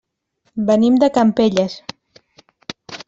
Venim de Campelles.